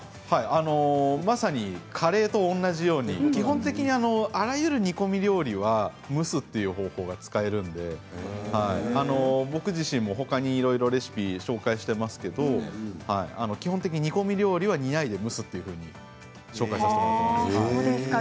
まさにカレーと同じように基本的にあらゆる煮込み料理は蒸すという方法が使えるので僕自身も他にいろいろレシピを紹介していますけど基本的に煮込み料理は煮ないで蒸すというふうに紹介しています。